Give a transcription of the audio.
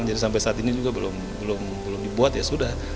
jadi sampai saat ini juga belum dibuat ya sudah